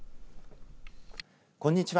こんにちは。